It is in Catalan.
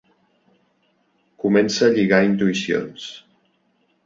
Comença a lligar intuïcions.